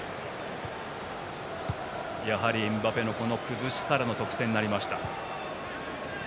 やはりエムバペの崩しからの得点となりました。